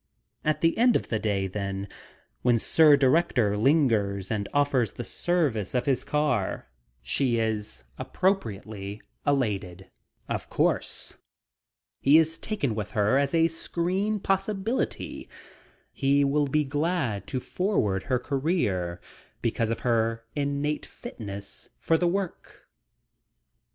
At the end of the day, then, when Sir Director lingers and offers the service of his car, she is appropriately elated, of course. He is taken with her as a screen possibility. He will be glad to forward her career because of her innate fitness for the work.